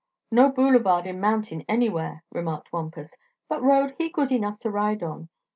"No boulevard in mountain anywhere," remarked Wampus; "but road he good enough to ride on.